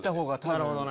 なるほどな。